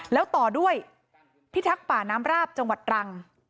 แล้วต่อด้วยพิทักษ์ป่าน้ำราบจังหวัดรัง